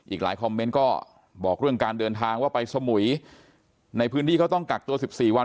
อีกหลายคอมเมนต์ก็บอกเรื่องการเดินทางว่าไปสมุยในพื้นที่เขาต้องกักตัว๑๔วัน